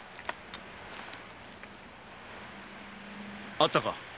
あったか？